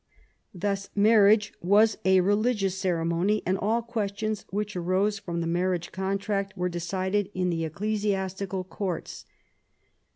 Thus marriage was a religious ceremony, and all questions which arose from the marriage contract were decided in the ecclesiastical courts.